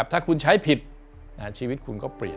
ถ้าคุณใช้ผิดชีวิตคุณก็เปรียบ